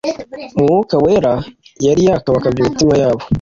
Umwuka wera yari yakabakabye imitima yabo.